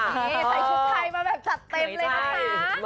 นี่ใส่ชุดไทยมาแบบจัดเต็มเลยนะคะ